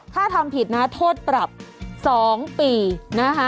ถ้าทำผิดนะโทษปรับ๒ปีนะคะ